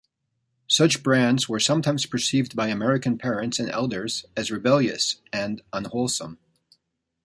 Such bands were sometimes perceived by American parents and elders as rebellious and unwholesome.